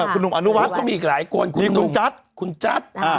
คุณหนุ่มอนุวัฒน์ก็มีอีกหลายคนคุณหนุ่มจัดคุณจัด